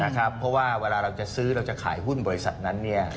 นะครับเพราะว่าเวลาเราจะซื้อเราจะขายหุ้นบริษัทนั้นเนี้ย